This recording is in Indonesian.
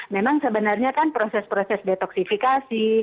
memang sebenarnya kan proses proses detoksifikasi